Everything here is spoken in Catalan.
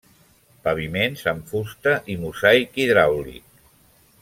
Paviments amb fusta i mosaic hidràulic.